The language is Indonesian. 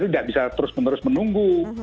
tidak bisa terus menerus menunggu